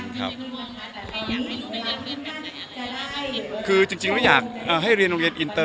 คือจริงไม่อยากให้เรียนโรงเรียนอินเตอร์